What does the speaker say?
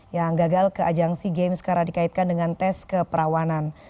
yang gagal ke ajang si game sekarang dikaitkan dengan tes keperawanan